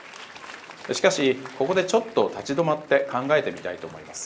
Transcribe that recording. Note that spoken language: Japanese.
しかしここでちょっと立ち止まって考えてみたいと思います。